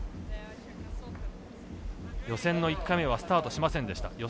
予選の１回目はスタートしませんでした。